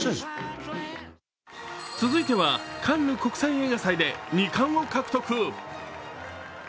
続いてはカンヌ国際映画祭で２冠を獲得。